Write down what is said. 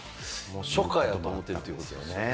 初夏やと思ってるってことやね。